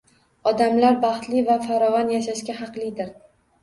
Odamlar baxtli va farovon yashashga haqlidir